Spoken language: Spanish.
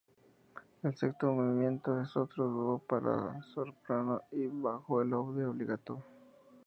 El sexto movimiento es otro dúo para soprano y bajo con oboe "obbligato".